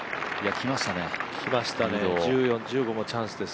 きましたね、１０番、１１番もチャンスです。